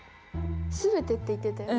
「全て」って言ってたよね？